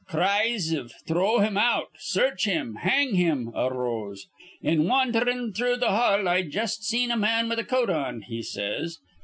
Cries iv 'Throw him out!' 'Search him!' 'Hang him!' arose. 'In wandhrin' through th' hall, I just seen a man with a coat on,' he says.